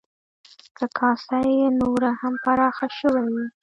که کاسه یې نوره هم پراخه شوې وی،